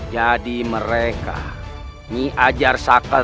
jadi mereka nyi iroh